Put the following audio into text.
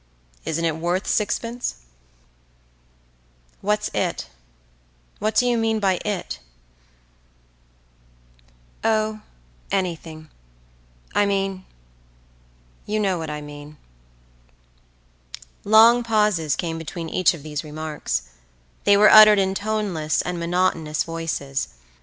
Isn't it worth sixpence?""What's 'it'—what do you mean by 'it'?""O, anything—I mean—you know what I mean."Long pauses came between each of these remarks; they were uttered in toneless and monotonous voices.